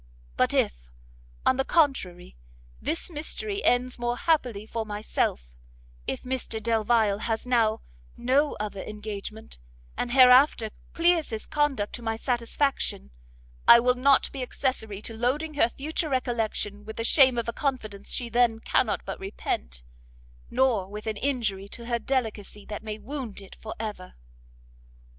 But if, on the contrary, this mystery ends more happily for myself, if Mr Delvile has now no other engagement, and hereafter clears his conduct to my satisfaction, I will not be accessory to loading her future recollection with the shame of a confidence she then cannot but repent, nor with an injury to her delicacy that may wound it for ever."